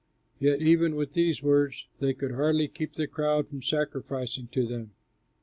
Yet even with these words they could hardly keep the crowd from sacrificing to them.